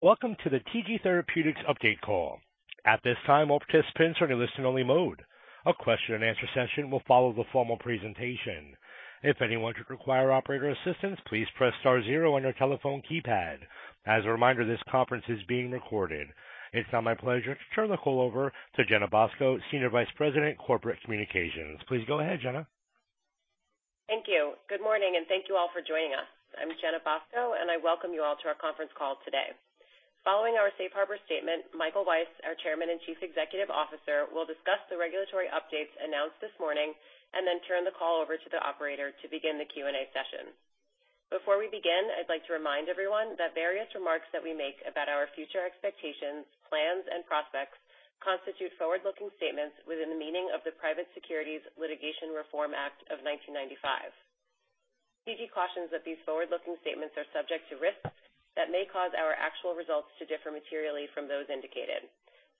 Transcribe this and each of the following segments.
Welcome to the TG Therapeutics Update Call. At this time, all participants are in listen-only mode. A question and answer session will follow the formal presentation. If anyone should require operator assistance, please press star zero on your telephone keypad. As a reminder, this conference is being recorded. It's now my pleasure to turn the call over to Jenna Bosco, Senior Vice President, Corporate Communications. Please go ahead, Jenna. Thank you. Good morning, and thank you all for joining us. I'm Jenna Bosco, and I welcome you all to our conference call today. Following our Safe Harbor statement, Michael Weiss, our Chairman and Chief Executive Officer, will discuss the regulatory updates announced this morning and then turn the call over to the operator to begin the Q&A session. Before we begin, I'd like to remind everyone that various remarks that we make about our future expectations, plans and prospects constitute forward-looking statements within the meaning of the Private Securities Litigation Reform Act of 1995. TG cautions that these forward-looking statements are subject to risks that may cause our actual results to differ materially from those indicated.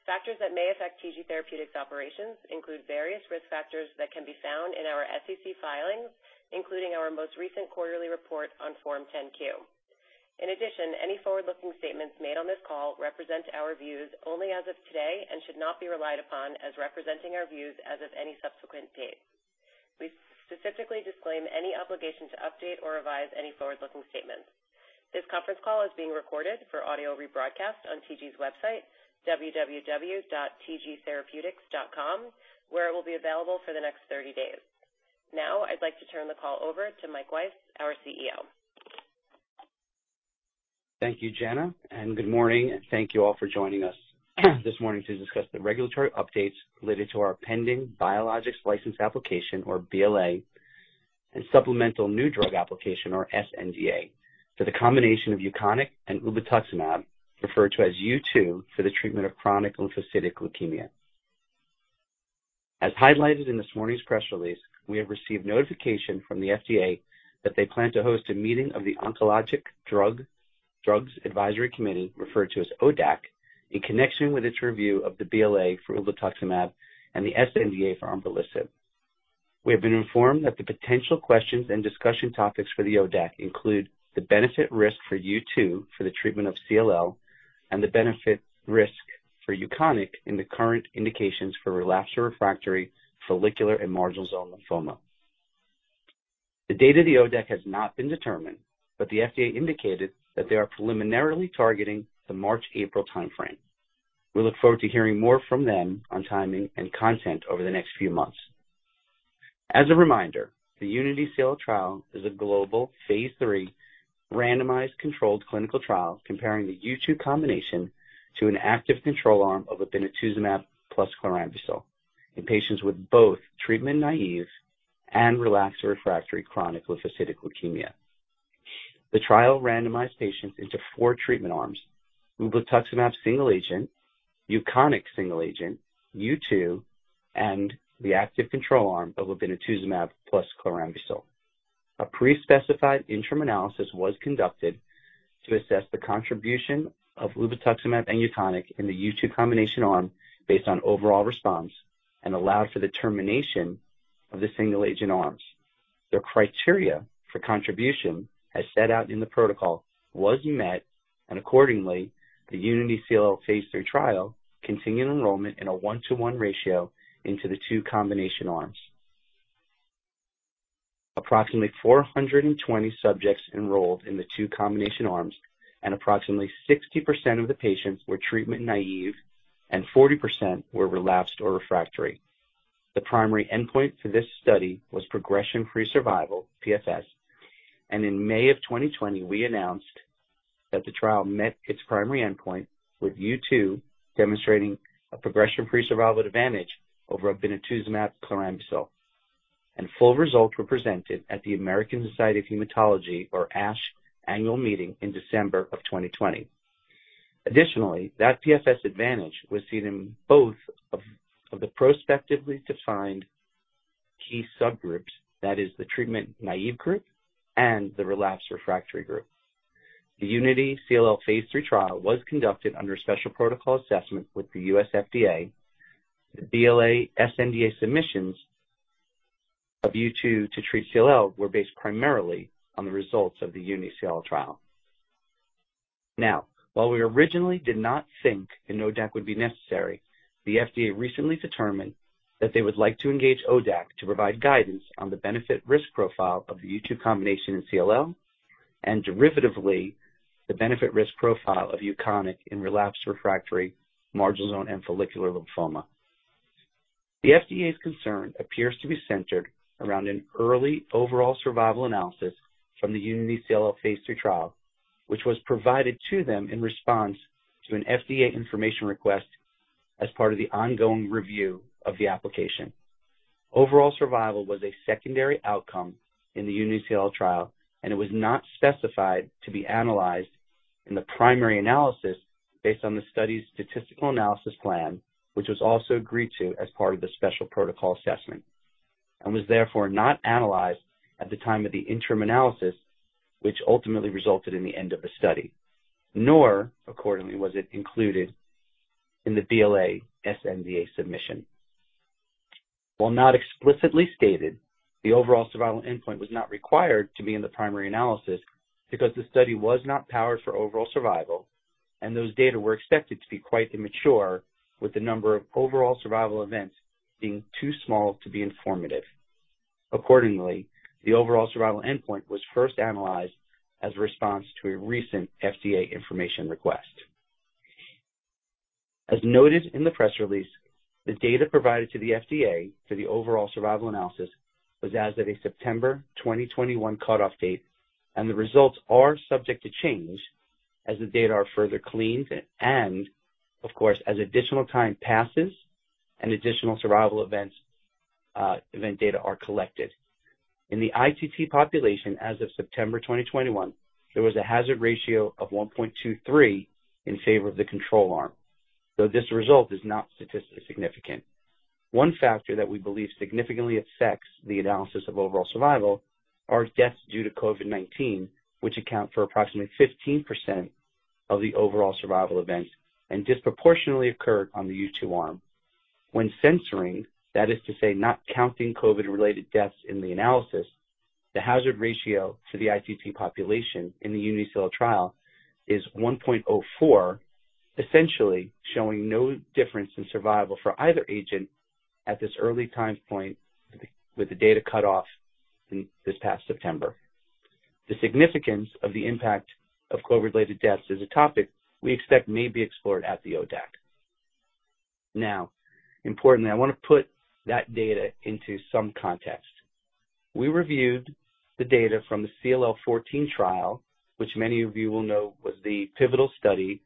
Factors that may affect TG Therapeutics operations include various risk factors that can be found in our SEC filings, including our most recent quarterly report on Form 10-Q. In addition, any forward-looking statements made on this call represent our views only as of today and should not be relied upon as representing our views as of any subsequent date. We specifically disclaim any obligation to update or revise any forward-looking statements. This conference call is being recorded for audio rebroadcast on TG's website, www.tgtherapeutics.com, where it will be available for the next 30 days. Now I'd like to turn the call over to Mike Weiss, our CEO. Thank you, Jenna, and good morning and thank you all for joining us this morning to discuss the regulatory updates related to our pending Biologics License Application or BLA and Supplemental New Drug Application, or sNDA, for the combination of UKONIQ and ublituximab, referred to as U2, for the treatment of chronic lymphocytic leukemia. As highlighted in this morning's press release, we have received notification from the FDA that they plan to host a meeting of the Oncologic Drugs Advisory Committee, referred to as ODAC, in connection with its review of the BLA for ublituximab and the sNDA for UKONIQ. We have been informed that the potential questions and discussion topics for the ODAC include the benefit risk for U2 for the treatment of CLL and the benefit risk for UKONIQ in the current indications for relapsed or refractory follicular and marginal zone lymphoma. The date of the ODAC has not been determined, but the FDA indicated that they are preliminarily targeting the March-April timeframe. We look forward to hearing more from them on timing and content over the next few months. As a reminder, the UNITY-CLL trial is a global phase III randomized controlled clinical trial comparing the U2 combination to an active control arm of obinutuzumab plus chlorambucil in patients with both treatment-naive and relapsed or refractory chronic lymphocytic leukemia. The trial randomized patients into four treatment arms, ublituximab single agent, UKONIQ single agent, U2, and the active control arm of obinutuzumab plus chlorambucil. A pre-specified interim analysis was conducted to assess the contribution of ublituximab and UKONIQ in the U2 combination arm based on overall response and allowed for the termination of the single-agent arms. The criteria for contribution, as set out in the protocol, was met, and accordingly, the UNITY-CLL phase III trial continued enrollment in a one-to-one ratio into the two combination arms. Approximately 420 subjects enrolled in the two combination arms and approximately 60% of the patients were treatment-naive and 40% were relapsed or refractory. The primary endpoint for this study was progression-free survival, PFS, and in May 2020 we announced that the trial met its primary endpoint, with U2 demonstrating a progression-free survival advantage over obinutuzumab chlorambucil. Full results were presented at the American Society of Hematology, or ASH, annual meeting in December 2020. Additionally, that PFS advantage was seen in both of the prospectively defined key subgroups, that is the treatment-naive group and the relapsed/refractory group. The UNITY-CLL phase III trial was conducted under a special protocol assessment with the U.S. FDA. The BLA and sNDA submissions of U2 to treat CLL were based primarily on the results of the UNITY-CLL trial. Now, while we originally did not think an ODAC would be necessary, the FDA recently determined that they would like to engage ODAC to provide guidance on the benefit-risk profile of the U2 combination in CLL and derivatively the benefit-risk profile of UKONIQ in relapsed/refractory marginal zone and follicular lymphoma. The FDA's concern appears to be centered around an early overall survival analysis from the UNITY-CLL phase III trial, which was provided to them in response to an FDA information request as part of the ongoing review of the application. Overall survival was a secondary outcome in the UNITY-CLL trial, and it was not specified to be analyzed in the primary analysis based on the study's statistical analysis plan, which was also agreed to as part of the special protocol assessment and was therefore not analyzed at the time of the interim analysis, which ultimately resulted in the end of the study, nor accordingly was it included in the BLA sNDA submission. While not explicitly stated, the overall survival endpoint was not required to be in the primary analysis because the study was not powered for overall survival, and those data were expected to be quite immature, with the number of overall survival events being too small to be informative. Accordingly, the overall survival endpoint was first analyzed as a response to a recent FDA information request. As noted in the press release, the data provided to the FDA for the overall survival analysis was as of a September 2021 cutoff date, and the results are subject to change as the data are further cleaned and of course, as additional time passes and additional survival events, event data are collected. In the ITT population as of September 2021, there was a hazard ratio of 1.23 in favor of the control arm, though this result is not statistically significant. One factor that we believe significantly affects the analysis of overall survival are deaths due to COVID-19, which account for approximately 15% of the overall survival events and disproportionately occurred on the U2 arm. When censoring, that is to say, not counting COVID-related deaths in the analysis, the hazard ratio to the ITT population in the UNITY-CLL trial is 1.04, essentially showing no difference in survival for either agent at this early time point with the data cutoff in this past September. The significance of the impact of COVID related deaths is a topic we expect may be explored at the ODAC. Now, importantly, I want to put that data into some context. We reviewed the data from the CLL14 trial, which many of you will know was the pivotal study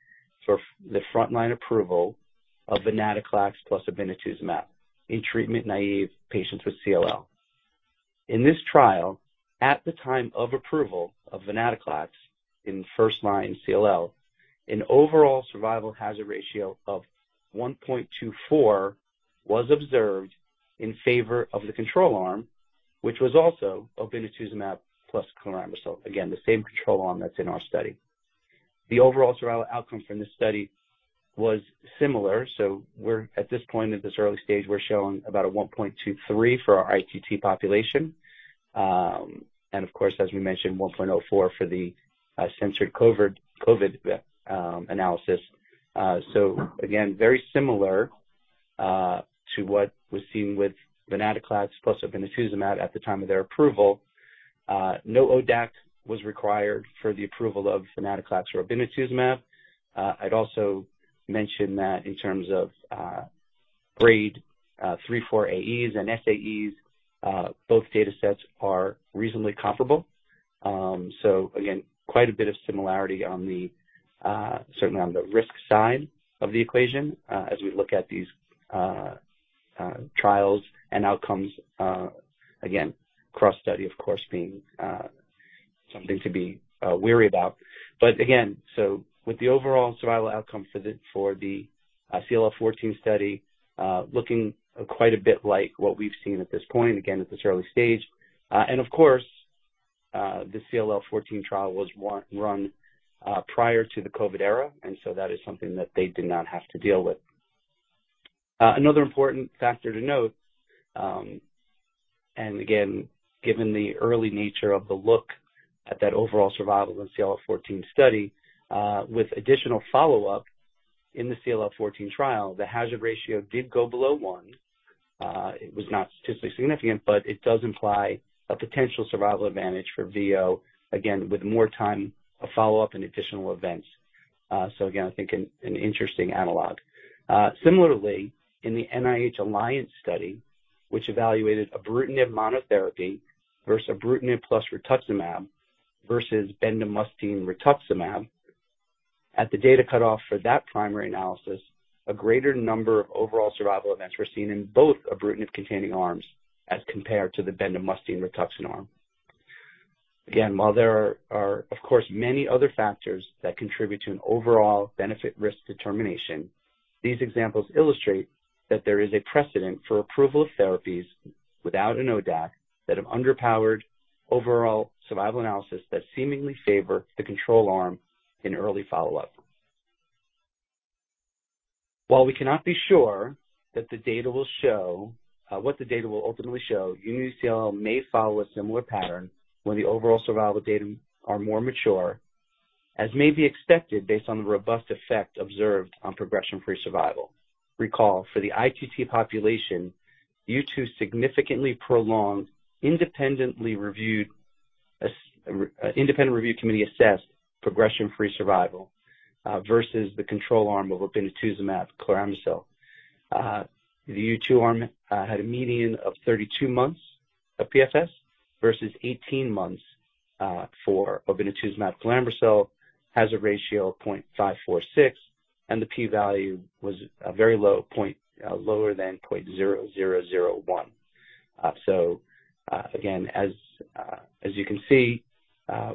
for the frontline approval of venetoclax plus obinutuzumab in treatment naive patients with CLL. In this trial, at the time of approval of venetoclax in first line CLL, an overall survival hazard ratio of 1.24 was observed in favor of the control arm, which was also obinutuzumab plus chlorambucil. Again, the same control arm that's in our study. The overall survival outcome from this study was similar. We're at this point in this early stage, we're showing about a 1.23 for our ITT population, and of course, as we mentioned, 1.04 for the censored COVID analysis. Again, very similar to what was seen with venetoclax plus obinutuzumab at the time of their approval. No ODAC was required for the approval of venetoclax or obinutuzumab. I'd also mention that in terms of grade 3/4 AEs and SAEs, both data sets are reasonably comparable. Again, quite a bit of similarity on the certainly on the risk side of the equation, as we look at these trials and outcomes, again, cross-study of course being something to be wary about. Again, with the overall survival outcome for the CLL14 study looking quite a bit like what we've seen at this point, again at this early stage. Of course, the CLL14 trial was run prior to the COVID-19 era and so that is something that they did not have to deal with. Another important factor to note, and again, given the early nature of the look at that overall survival in CLL14 study, with additional follow-up in the CLL14 trial, the hazard ratio did go below 1. It was not statistically significant, but it does imply a potential survival advantage for VO, again with more time of follow-up and additional events. I think an interesting analog. Similarly, in the Alliance study, which evaluated ibrutinib monotherapy versus ibrutinib plus rituximab versus bendamustine rituximab, at the data cutoff for that primary analysis, a greater number of overall survival events were seen in both ibrutinib-containing arms as compared to the bendamustine rituximab arm. Again, while there are of course many other factors that contribute to an overall benefit risk determination, these examples illustrate that there is a precedent for approval of therapies without an ODAC that have underpowered overall survival analysis that seemingly favor the control arm in early follow-up. While we cannot be sure that the data will show what the data will ultimately show, UNITY-CLL may follow a similar pattern when the overall survival data are more mature, as may be expected based on the robust effect observed on progression-free survival. Recall, for the ITT population, U2 significantly prolonged independent review committee assessed progression-free survival versus the control arm of obinutuzumab chlorambucil. The U2 arm had a median of 32 months of PFS versus 18 months for obinutuzumab chlorambucil, has a ratio of 0.546, and the P-value was a very low point lower than 0.0001. Again, as you can see,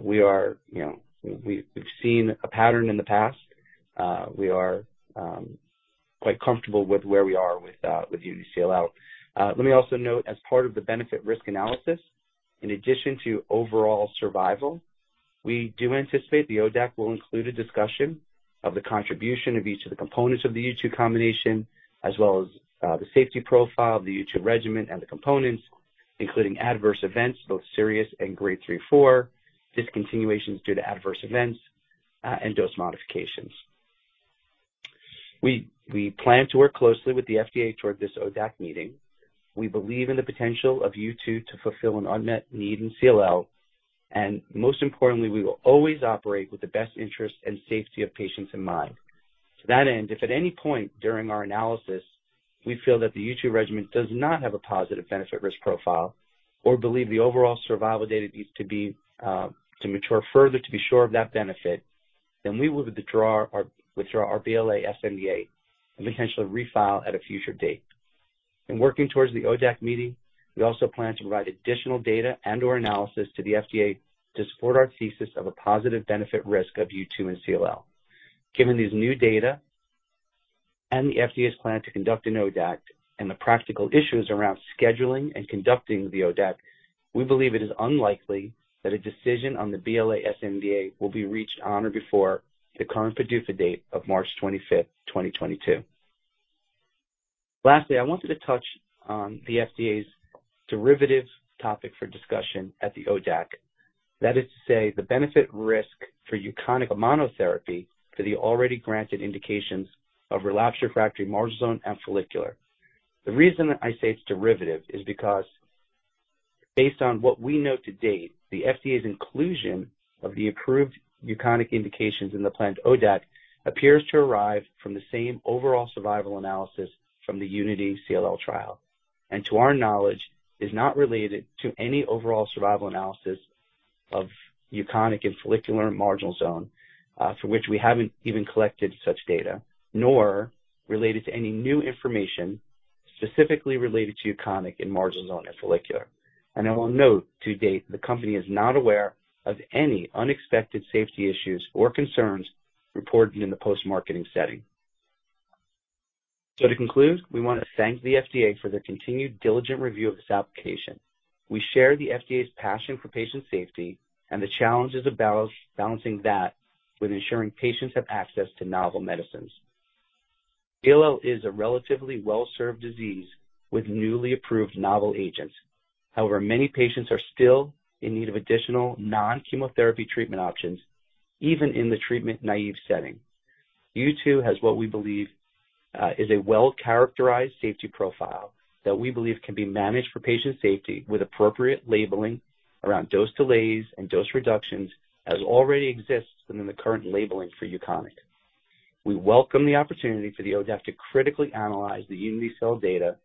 we are, you know, we've seen a pattern in the past. We are quite comfortable with where we are with UNITY-CLL. Let me also note, as part of the benefit risk analysis, in addition to overall survival, we do anticipate the ODAC will include a discussion of the contribution of each of the components of the U2 combination, as well as the safety profile of the U2 regimen and the components, including adverse events, both serious and grade 3-4, discontinuations due to adverse events, and dose modifications. We plan to work closely with the FDA toward this ODAC meeting. We believe in the potential of U2 to fulfill an unmet need in CLL. Most importantly, we will always operate with the best interest and safety of patients in mind. To that end, if at any point during our analysis we feel that the U2 regimen does not have a positive benefit risk profile or believe the overall survival data needs to be to mature further to be sure of that benefit, then we will withdraw our BLA/SNDA and potentially refile at a future date. In working towards the ODAC meeting, we also plan to provide additional data and/or analysis to the FDA to support our thesis of a positive benefit risk of U2 in CLL. Given these new data and the FDA's plan to conduct an ODAC and the practical issues around scheduling and conducting the ODAC, we believe it is unlikely that a decision on the BLA/SNDA will be reached on or before the current PDUFA date of March 25th, 2022. Lastly, I wanted to touch on the FDA's derivative topic for discussion at the ODAC. That is to say, the benefit risk for UKONIQ monotherapy for the already granted indications of relapsed refractory marginal zone and follicular. The reason I say it's derivative is because based on what we know to date, the FDA's inclusion of the approved UKONIQ indications in the planned ODAC appears to derive from the same overall survival analysis from the UNITY-CLL trial. To our knowledge, is not related to any overall survival analysis of UKONIQ in follicular and marginal zone, for which we haven't even collected such data, nor related to any new information specifically related to UKONIQ in marginal zone or follicular. I will note, to date, the company is not aware of any unexpected safety issues or concerns reported in the post-marketing setting. To conclude, we want to thank the FDA for their continued diligent review of this application. We share the FDA's passion for patient safety and the challenges of balancing that with ensuring patients have access to novel medicines. CLL is a relatively well-served disease with newly approved novel agents. However, many patients are still in need of additional non-chemotherapy treatment options, even in the treatment-naive setting. U2 has what we believe is a well-characterized safety profile that we believe can be managed for patient safety with appropriate labeling around dose delays and dose reductions, as already exists within the current labeling for UKONIQ. We welcome the opportunity for the ODAC to critically analyze the UNITY-CLL data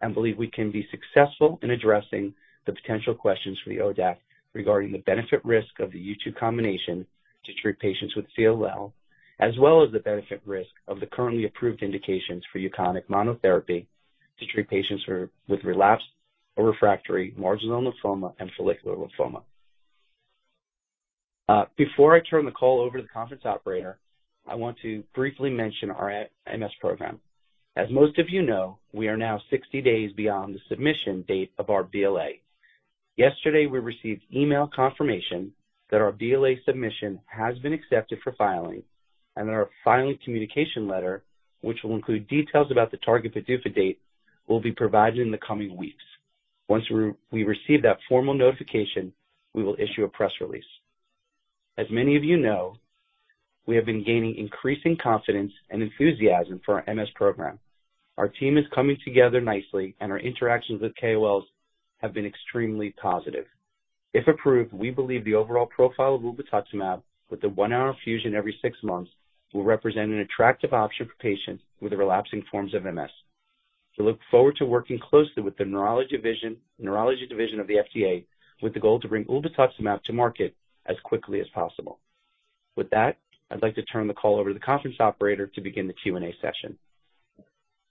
and believe we can be successful in addressing the potential questions for the ODAC regarding the benefit risk of the U2 combination to treat patients with CLL, as well as the benefit risk of the currently approved indications for UKONIQ monotherapy to treat patients with relapsed or refractory marginal zone lymphoma and follicular lymphoma. Before I turn the call over to the conference operator, I want to briefly mention our MS program. As most of you know, we are now 60 days beyond the submission date of our BLA. Yesterday, we received email confirmation that our BLA submission has been accepted for filing and that our filing communication letter, which will include details about the target PDUFA date, will be provided in the coming weeks. Once we receive that formal notification, we will issue a press release. As many of you know, we have been gaining increasing confidence and enthusiasm for our MS program. Our team is coming together nicely and our interactions with KOLs have been extremely positive. If approved, we believe the overall profile of ublituximab with the one-hour infusion every six months will represent an attractive option for patients with the relapsing forms of MS. We look forward to working closely with the neurology division of the FDA with the goal to bring ublituximab to market as quickly as possible. With that, I'd like to turn the call over to the conference operator to begin the Q&A session.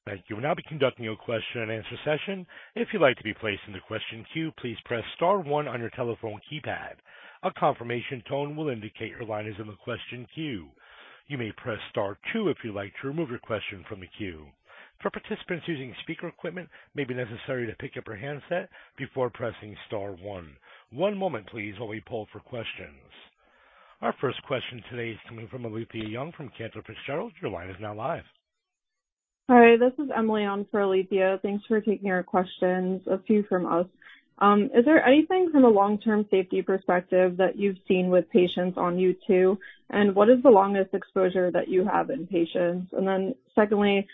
Thank you. We'll now be conducting a question and answer session. If you'd like to be placed in the question queue, please press star one on your telephone keypad. A confirmation tone will indicate your line is in the question queue. You may press star two if you'd like to remove your question from the queue. For participants using speaker equipment, it may be necessary to pick up your handset before pressing star one. One moment please while we poll for questions. Our first question today is coming from Alethia Young from Cantor Fitzgerald. Your line is now live. Hi, this is Emily on for Alethia. Thanks for taking our questions, a few from us. Is there anything from a long-term safety perspective that you've seen with patients on U2? And what is the longest exposure that you have in patients? And then secondly,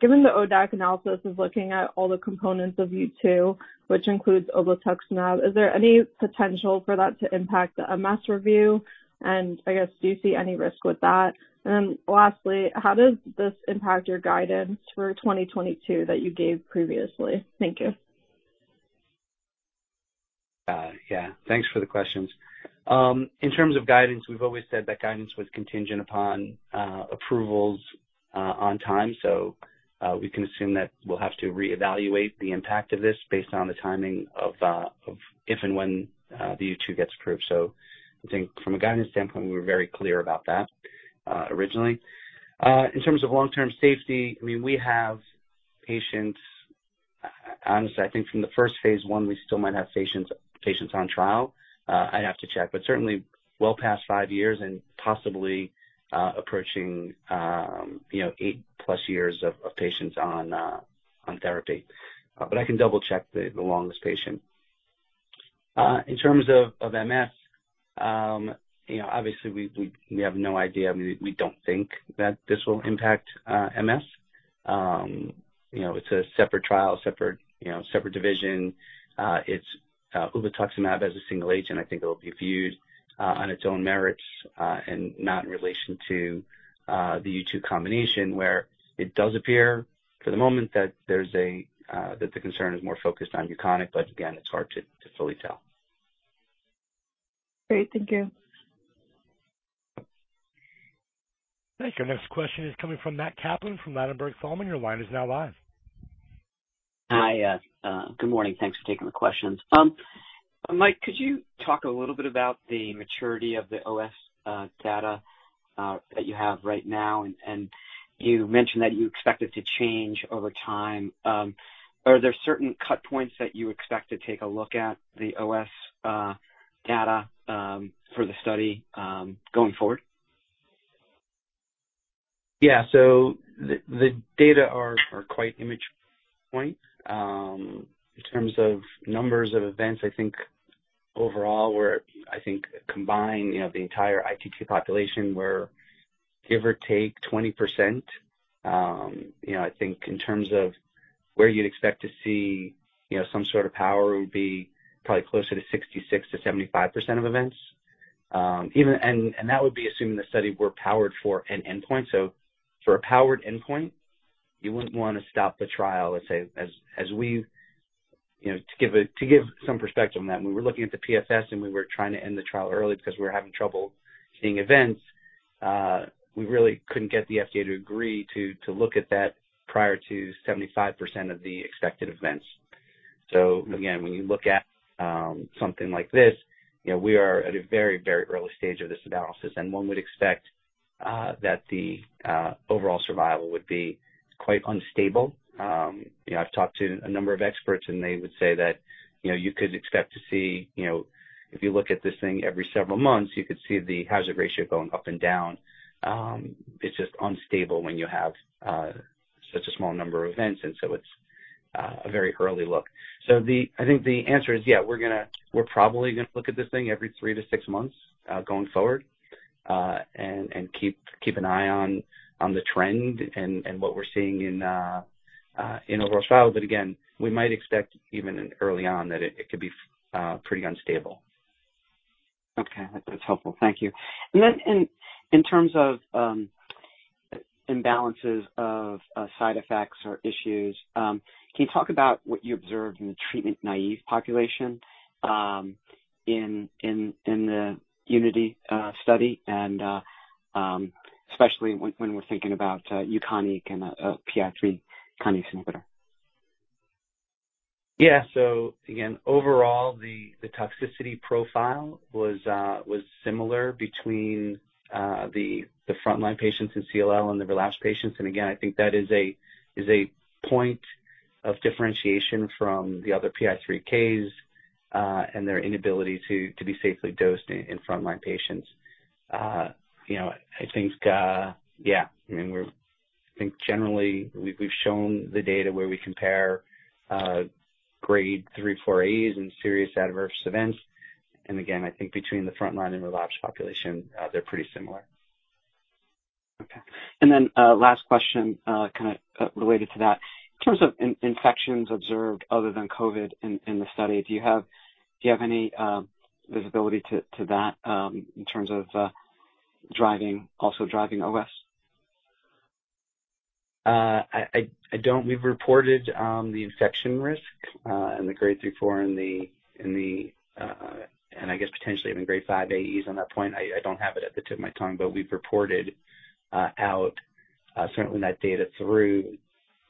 given the ODAC analysis is looking at all the components of U2, which includes ublituximab, is there any potential for that to impact the MS review? And I guess, do you see any risk with that? And then lastly, how does this impact your guidance for 2022 that you gave previously? Thank you. Yeah, thanks for the questions. In terms of guidance, we've always said that guidance was contingent upon approvals on time. We can assume that we'll have to reevaluate the impact of this based on the timing of if and when the U2 gets approved. I think from a guidance standpoint, we were very clear about that originally. In terms of long-term safety, I mean, we have patients. Honestly, I think from the first phase I, we still might have patients on trial. I'd have to check, but certainly well past five years and possibly approaching you know 8+ years of patients on therapy. But I can double-check the longest patient. In terms of MS you know obviously we have no idea. We don't think that this will impact MS. You know, it's a separate trial, separate you know separate division. It's ublituximab as a single agent. I think it'll be viewed on its own merits and not in relation to the U2 combination, where it does appear for the moment that the concern is more focused on UKONIQ, but again, it's hard to fully tell. Great. Thank you. Thank you. Next question is coming from Matt Kaplan from Ladenburg Thalmann. Your line is now live. Hi. Good morning. Thanks for taking the questions. Mike, could you talk a little bit about the maturity of the OS data that you have right now? You mentioned that you expect it to change over time. Are there certain cut points that you expect to take a look at the OS data for the study going forward? Yeah, the data are quite immature at this point. In terms of numbers of events, I think overall, combining the entire ITT population, we're give or take 20%. I think in terms of where you'd expect to see some sort of power, it would be probably closer to 66%-75% of events. Even that would be assuming the study were powered for an endpoint. For a powered endpoint, you wouldn't wanna stop the trial, let's say, as we... You know, to give some perspective on that, when we were looking at the PFS and we were trying to end the trial early because we were having trouble seeing events, we really couldn't get the FDA to agree to look at that prior to 75% of the expected events. So again, when you look at something like this, you know, we are at a very, very early stage of this analysis, and one would expect that the overall survival would be quite unstable. You know, I've talked to a number of experts, and they would say that, you know, you could expect to see, you know, if you look at this thing every several months, you could see the hazard ratio going up and down. It's just unstable when you have such a small number of events. It's a very early look. I think the answer is, yeah, we're probably gonna look at this thing every three to six months going forward, and keep an eye on the trend and what we're seeing in overall trial. Again, we might expect early on that it could be pretty unstable. Okay. That's helpful. Thank you. In terms of imbalances of side effects or issues, can you talk about what you observed in the treatment-naive population, in the UNITY study and, especially when we're thinking about UKONIQ and PI3K inhibitor? Yeah. Again, overall, the toxicity profile was similar between the frontline patients in CLL and the relapsed patients. Again, I think that is a point of differentiation from the other PI3Ks and their inability to be safely dosed in frontline patients. You know, I think, yeah, I mean, we're. I think generally we've shown the data where we compare grade 3-4 AEs and serious adverse events. Again, I think between the frontline and relapsed population, they're pretty similar. Okay. Last question, kinda related to that. In terms of infections observed other than COVID in the study, do you have any visibility to that in terms of driving, also driving OS? I don't. We've reported the infection risk and the grade 3/4 in the and I guess potentially even grade 5 AEs on that point. I don't have it at the tip of my tongue, but we've reported out certainly that data through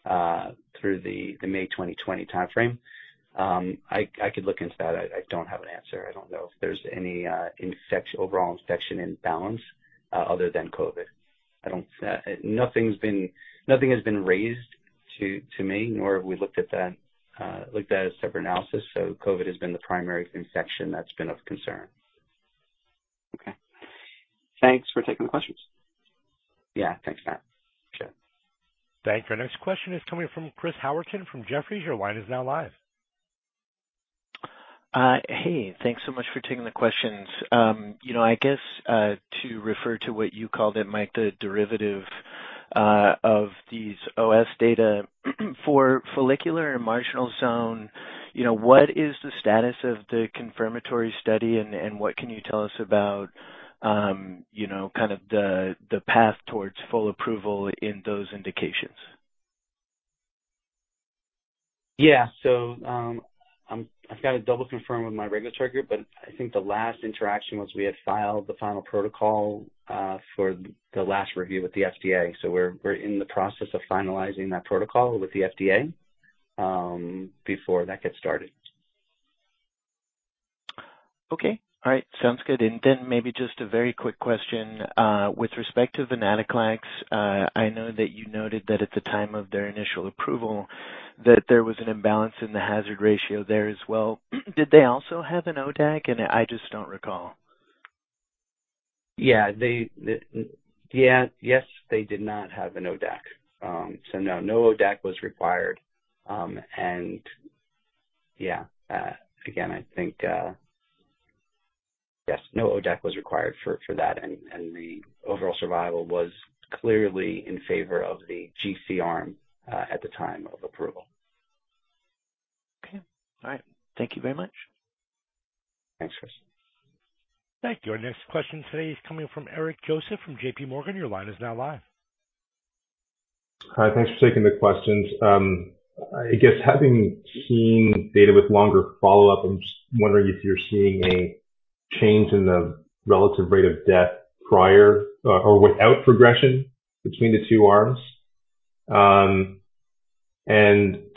the May 2020 timeframe. I could look into that. I don't have an answer. I don't know if there's any overall infection imbalance other than COVID. Nothing's been raised to me, nor have we looked at a separate analysis. COVID has been the primary infection that's been of concern. Okay. Thanks for taking the questions. Yeah. Thanks, Matt. Sure. Thank you. Our next question is coming from Chris Howerton from Jefferies. Your line is now live. Hey, thanks so much for taking the questions. You know, I guess, to refer to what you called it, Mike, the derivative of these OS data for follicular and marginal zone, you know, what is the status of the confirmatory study, and what can you tell us about, you know, kind of the path towards full approval in those indications? I've got to double confirm with my regulatory group, but I think the last interaction was we had filed the final protocol for the last review with the FDA. We're in the process of finalizing that protocol with the FDA before that gets started. Okay. All right. Sounds good. Maybe just a very quick question with respect to venetoclax. I know that you noted that at the time of their initial approval that there was an imbalance in the hazard ratio there as well. Did they also have an ODAC? I just don't recall. Yes. They did not have an ODAC. So no ODAC was required. Again, I think, yes, no ODAC was required for that. The overall survival was clearly in favor of the GC arm at the time of approval. Okay. All right. Thank you very much. Thanks, Chris. Thank you. Our next question today is coming from Eric Joseph from JPMorgan. Your line is now live. Hi. Thanks for taking the questions. I guess having seen data with longer follow-up, I'm just wondering if you're seeing a change in the relative rate of death prior or without progression between the two arms.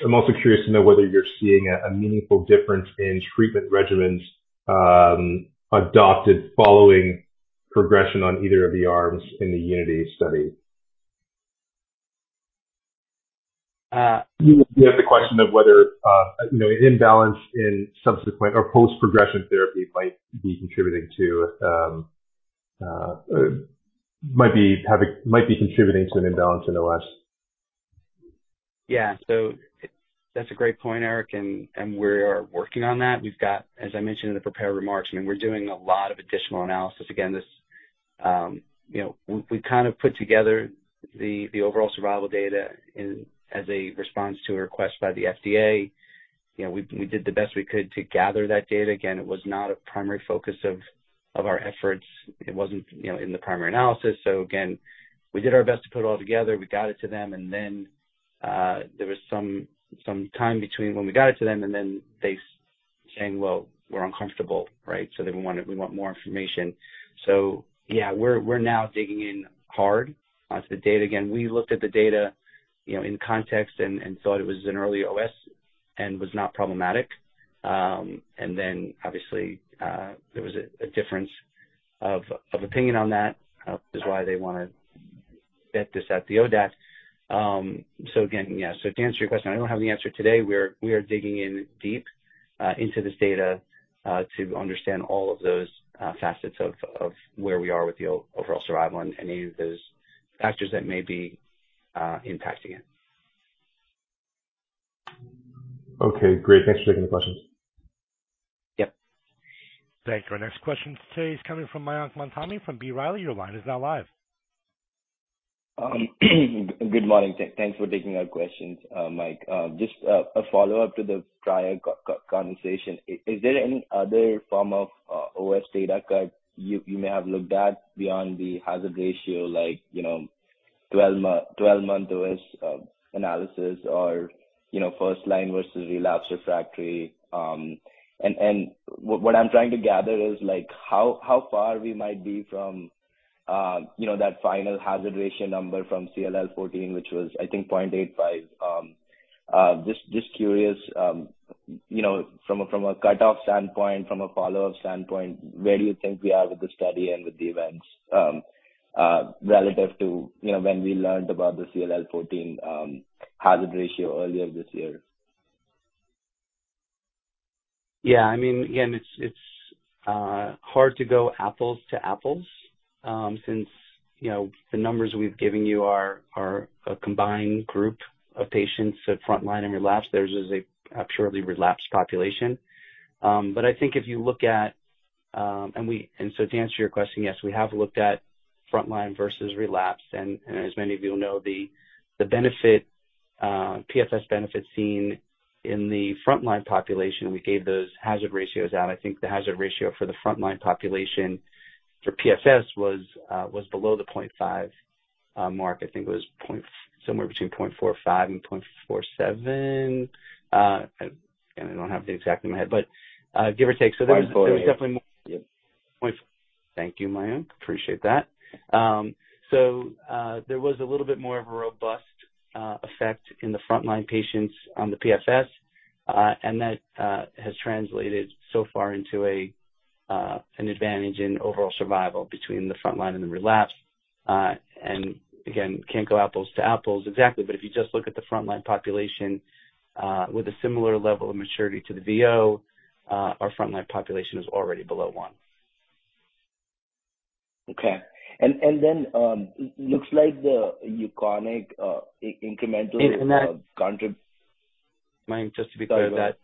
I'm also curious to know whether you're seeing a meaningful difference in treatment regimens adopted following progression on either of the arms in the UNITY study. Uh- You had the question of whether, you know, imbalance in subsequent or post-progression therapy might be contributing to an imbalance in OS. Yeah. That's a great point, Eric. We are working on that. We've got, as I mentioned in the prepared remarks, I mean, we're doing a lot of additional analysis. Again, this, you know, we kind of put together the overall survival data in as a response to a request by the FDA. You know, we did the best we could to gather that data. Again, it was not a primary focus of our efforts. It wasn't, you know, in the primary analysis. Again, we did our best to put it all together. We got it to them. Then, there was some time between when we got it to them, and then them saying, "Well, we're uncomfortable." Right? They want it, "We want more information." Yeah, we're now digging in hard into the data. Again, we looked at the data, you know, in context and thought it was an early OS and was not problematic. Then obviously, there was a difference of opinion on that is why they wanna vet this at the ODAC. Again, yeah, to answer your question, I don't have the answer today. We are digging in deep into this data to understand all of those facets of where we are with the overall survival and any of those factors that may be impacting it. Okay, great. Thanks for taking the questions. Yep. Thank you. Our next question today is coming from Mayank Mamtani from B. Riley. Your line is now live. Good morning. Thanks for taking our questions, Mike. Just a follow-up to the prior conversation. Is there any other form of OS data cut you may have looked at beyond the hazard ratio, like, you know, 12-month OS analysis or, you know, first-line versus relapsed refractory? What I'm trying to gather is like how far we might be from, you know, that final hazard ratio number from CLL14, which was I think 0.85. Just curious, you know, from a cutoff standpoint, from a follow-up standpoint, where do you think we are with the study and with the events relative to, you know, when we learned about the CLL14 hazard ratio earlier this year? Yeah. I mean, again, it's hard to go apples to apples, since, you know, the numbers we've given you are a combined group of patients at frontline and relapse. Theirs is a purely relapsed population. But I think if you look at and so to answer your question, yes, we have looked at frontline versus relapse. As many of you know, the PFS benefit seen in the frontline population, we gave those hazard ratios out. I think the hazard ratio for the frontline population for PFS was below the 0.5 mark. I think it was somewhere between 0.45 and 0.47. Again, I don't have the exact in my head, but give or take. So there was 0.48. There was definitely more. Thank you, Mayank. Appreciate that. There was a little bit more of a robust effect in the frontline patients on the PFS, and that has translated so far into an advantage in overall survival between the frontline and the relapse. Again, can't go apples to apples exactly, but if you just look at the frontline population, with a similar level of maturity to the VO, our frontline population is already below one. Okay. looks like the UKONIQ incrementally- And that- Contri- Mayank, just to be clear,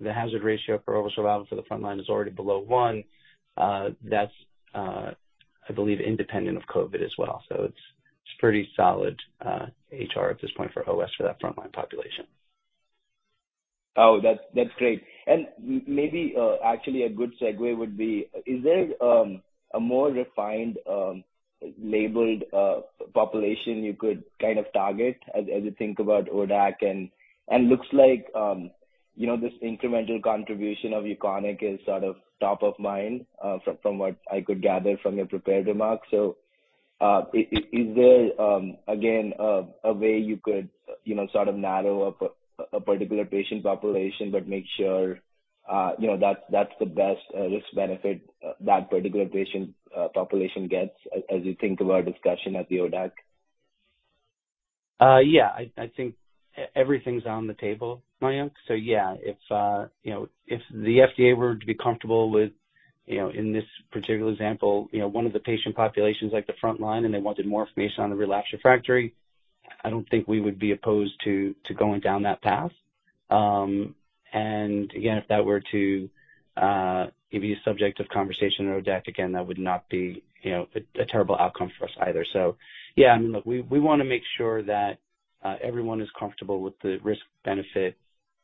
the hazard ratio for overall survival for the frontline is already below one. That's, I believe, independent of COVID as well. It's pretty solid, HR at this point for OS for that frontline population. Oh, that's great. Maybe actually a good segue would be, is there a more refined labeled population you could kind of target as you think about ODAC? Looks like you know, this incremental contribution of UKONIQ is sort of top of mind from what I could gather from your prepared remarks. Is there again a way you could you know, sort of narrow down a particular patient population but make sure you know, that's the best risk-benefit that particular patient population gets as you think about discussion at the ODAC? Yeah. I think everything's on the table, Mayank. Yeah, if you know, if the FDA were to be comfortable with, you know, in this particular example, you know, one of the patient populations like the front line, and they wanted more information on the relapsed refractory, I don't think we would be opposed to going down that path. Again, if that were to be a subject of conversation at ODAC again, that would not be, you know, a terrible outcome for us either. Yeah, I mean, look, we wanna make sure that everyone is comfortable with the risk-benefit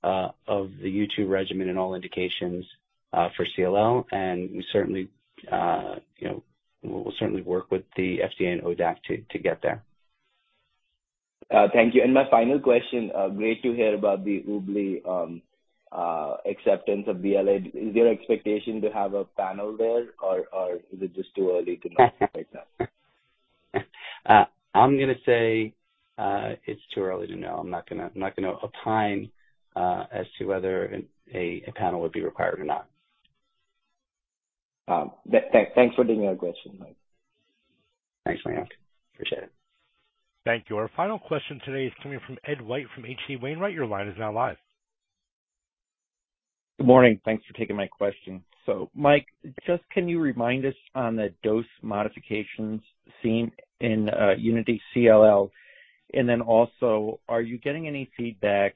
of the U2 regimen in all indications for CLL. We certainly, you know, we'll certainly work with the FDA and ODAC to get there. Thank you. My final question, great to hear about the ublituximab BLA acceptance of the BLA. Is there expectation to have a panel there or is it just too early to know things like that? I'm gonna say it's too early to know. I'm not gonna opine as to whether a panel would be required or not. Thanks for taking my question, Mike. Thanks, Mayank. Appreciate it. Thank you. Our final question today is coming from Ed White from H.C. Wainwright. Your line is now live. Good morning. Thanks for taking my question. Mike, just can you remind us on the dose modifications seen in UNITY-CLL? Then also, are you getting any feedback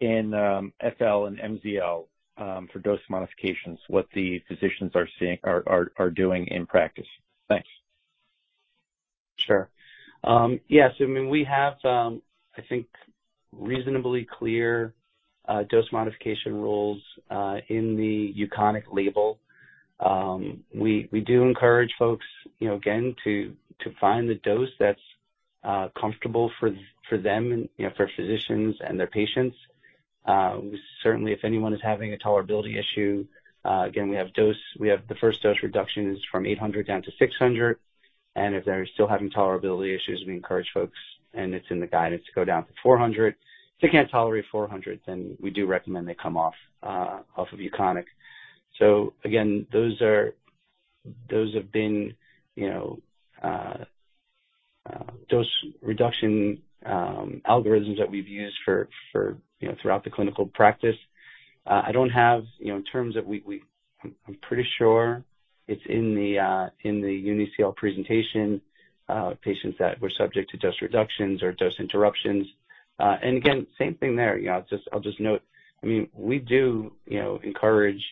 in FL and MZL for dose modifications, what the physicians are seeing or are doing in practice? Thanks. Sure. Yes, I mean, we have, I think reasonably clear dose modification rules in the UKONIQ label. We do encourage folks, you know, again, to find the dose that's comfortable for them and, you know, for physicians and their patients. We certainly, if anyone is having a tolerability issue, again, we have the first dose reduction is from 800 down to 600, and if they're still having tolerability issues, we encourage folks, and it's in the guidance to go down to 400. If they can't tolerate 400, then we do recommend they come off of UKONIQ. Again, those have been, you know, dose reduction algorithms that we've used for, you know, throughout the clinical practice. I don't have, you know, in terms of, I'm pretty sure it's in the UNITY-CLL presentation, patients that were subject to dose reductions or dose interruptions. And again, same thing there. You know, I'll just note, I mean, we do encourage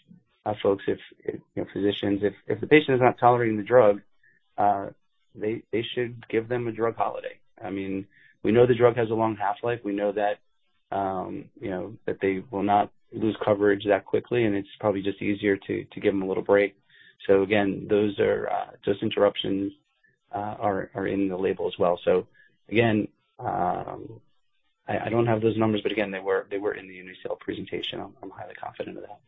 folks if, you know, physicians, if the patient is not tolerating the drug, they should give them a drug holiday. I mean, we know the drug has a long half-life. We know that, you know, that they will not lose coverage that quickly, and it's probably just easier to give them a little break. So again, those are dose interruptions are in the label as well. So again, I don't have those numbers, but again, they were in the UNITY-CLL presentation. I'm highly confident of that.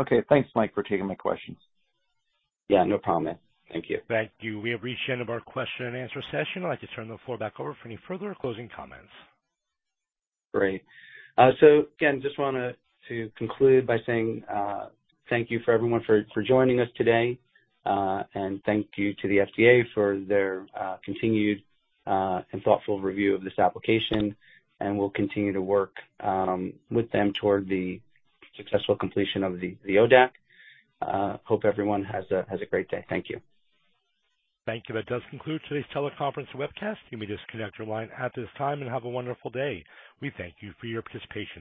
Okay. Thanks, Mike, for taking my questions. Yeah, no problem, man. Thank you. Thank you. We have reached the end of our question and answer session. I'd like to turn the floor back over for any further closing comments. Great. So again, just want to conclude by saying thank you to everyone for joining us today. And thank you to the FDA for their continued and thoughtful review of this application. We'll continue to work with them toward the successful completion of the ODAC. Hope everyone has a great day. Thank you. Thank you. That does conclude today's teleconference webcast. You may disconnect your line at this time and have a wonderful day. We thank you for your participation.